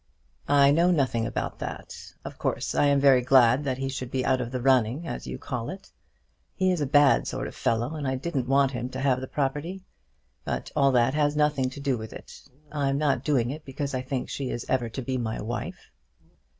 "I know nothing about that. Of course I am very glad that he should be out of the running, as you call it. He is a bad sort of fellow, and I didn't want him to have the property. But all that has had nothing to do with it. I'm not doing it because I think she is ever to be my wife."